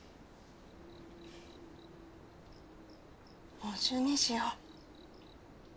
もう１２時よ。